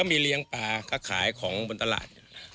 มีเลี้ยงปลาก็ขายของบนตลาด